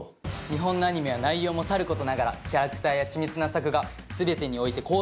日本のアニメは内容もさることながらキャラクターや緻密な作画全てにおいて高水準。